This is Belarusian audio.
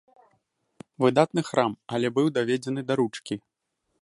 Выдатны храм, але быў даведзены да ручкі.